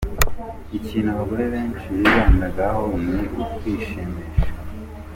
Ikintu abagore benshi bibandagaho ngo ni ukwishimisha.